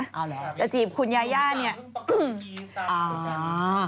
เอาเหรอครับคุณสาวพึ่งประกอบจริงตามเหลือกันอ๋อ